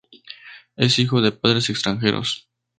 Es hijo de padres extranjeros.